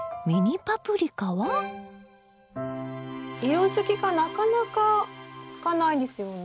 色づきがなかなかつかないですよね。